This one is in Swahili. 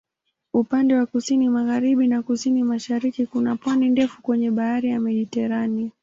Upande wa kusini-magharibi na kusini-mashariki kuna pwani ndefu kwenye Bahari ya Mediteranea.